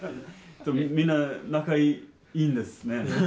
みんな仲いいんですね。